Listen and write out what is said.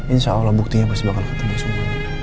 insya allah buktinya pasti bakal ketemu semuanya